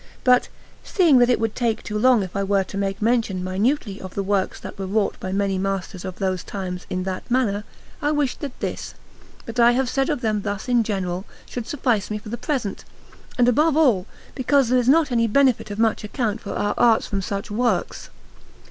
But, seeing that it would take too long if I were to make mention minutely of the works that were wrought by many masters of those times in that manner, I wish that this, that I have said of them thus in general, should suffice me for the present, and above all because there is not any benefit of much account for our arts from such works.